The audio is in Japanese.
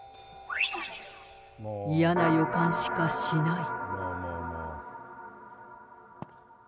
嫌な予感しかしない。